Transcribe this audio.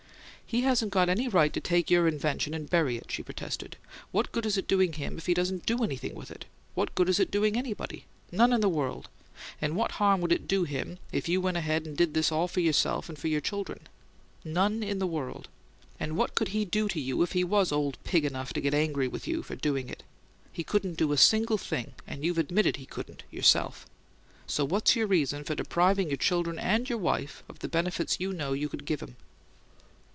"He hasn't got any right to take your invention and bury it," she protested. "What good is it doing him if he doesn't DO anything with it? What good is it doing ANYBODY? None in the world! And what harm would it do him if you went ahead and did this for yourself and for your children? None in the world! And what could he do to you if he WAS old pig enough to get angry with you for doing it? He couldn't do a single thing, and you've admitted he couldn't, yourself. So what's your reason for depriving your children and your wife of the benefits you know you could give 'em?"